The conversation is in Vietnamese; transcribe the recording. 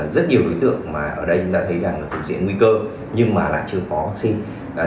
rất nhiều đối tượng mà ở đây chúng ta thấy rằng là cũng diễn nguy cơ nhưng mà là chưa có vaccine